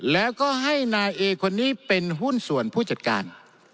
แล้วก็ให้นายเอคนนี้เป็นหุ้นส่วนผู้จัดการ